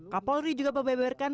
kapolri juga berpengen